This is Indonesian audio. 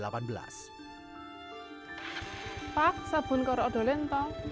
pak sabun koro ada lintang